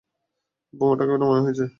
বোমাটাকে নামানো হয়েছে!